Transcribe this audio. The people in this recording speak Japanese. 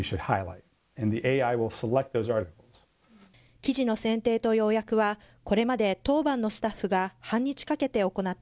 記事の選定と要約はこれまで当番のスタッフが半日かけて行っ